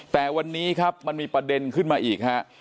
แต่วันนี้ครับมันมีประเด็นขึ้นมาอีกฮะ